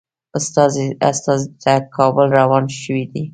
استازي کابل ته روان شوي دي.